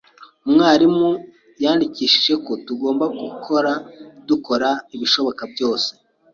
Umwarimu yatwigishije ko tugomba guhora dukora ibishoboka byose.